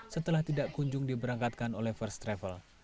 setelah tidak kunjung diberangkatkan oleh first travel